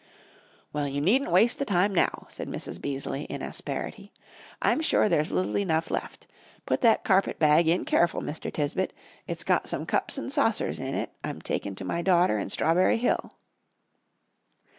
"Well, you needn't waste the time now," said Mrs. Beaseley, in asperity. "I'm sure there's little enough left. Put that carpet bag in careful, Mr. Tisbett; it's got some cups and sassers in I'm a takin' to my daughter in Strawberry Hill."